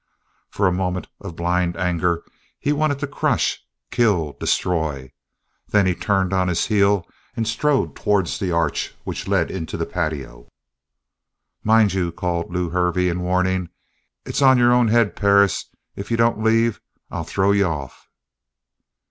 For a moment of blind anger he wanted to crush, kill, destroy. Then he turned on his heel and strode towards the arch which led into the patio. "Mind you!" called Lew Hervey in warning. "It's on your own head, Perris. If you don't leave, I'll throw you off!"